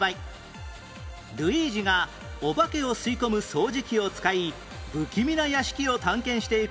ルイージがオバケを吸い込む掃除機を使い不気味な屋敷を探検していく